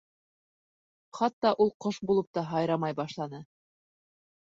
Хатта ул ҡош булып та һайрамай башланы.